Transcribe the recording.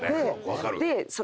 分かる。